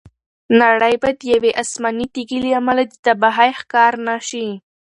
نړۍ به د یوې آسماني تیږې له امله د تباهۍ ښکار نه شي.